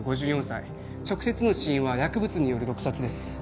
５４歳直接の死因は薬物による毒殺です